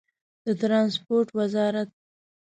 د ټرانسپورټ وزارت